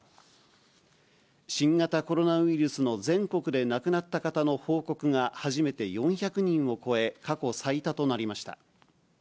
新型コロナウイルスの全国で亡くなった方の報告が初めて４００人を超え、過去最多となりました。